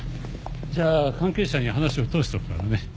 じゃあ関係者に話を通しておくからね。